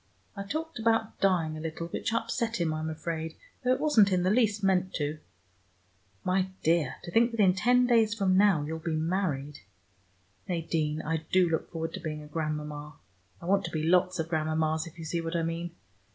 I talked about dying a little, which upset him, I'm afraid, though it wasn't in the least meant to. My dear, to think that in ten days from now you'll be married! Nadine, I do look forward to being a grandmama: I want to be lots of grandmamas, if you see what I mean.